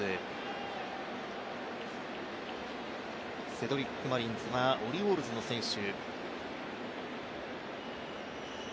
セドリック・マリンズはオリオールズの選手。